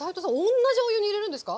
おんなじお湯に入れるんですか？